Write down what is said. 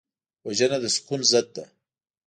وژنه د سکون ضد ده